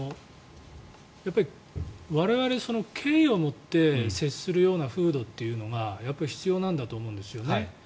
我々、敬意を持って接するような風土というのがやっぱり必要なんだと思うんですよね。